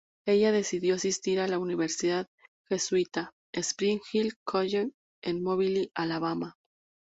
Ella decidió asistir a la universidad jesuita, Spring Hill College, en Mobile, Alabama.